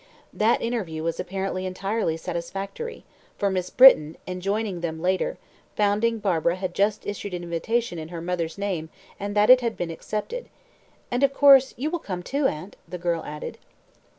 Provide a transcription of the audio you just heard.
That interview was apparently entirely satisfactory, for Miss Britton, enjoining them later, found Barbara had just issued an invitation in her mother's name and that it had been accepted. "And, of course, you will come too, aunt," the girl added.